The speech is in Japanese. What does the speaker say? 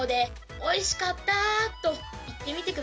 おいしかった！